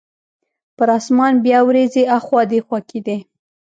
پر اسمان بیا وریځې اخوا دیخوا کیدې.